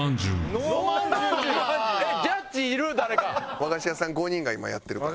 和菓子屋さん５人が今やってるから。